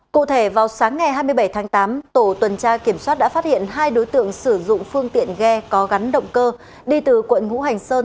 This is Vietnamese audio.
cụ thể vào sáng ngày hai mươi bảy tháng tám tổ tuần tra kiểm soát đã phát hiện hai đối tượng sử dụng phương tiện ghe có gắn động cơ đi từ quận ngũ hành sơn